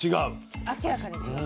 明らかに違う。